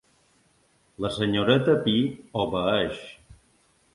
La senyoreta Pi obeeix.